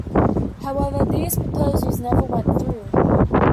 However, these proposals never went through.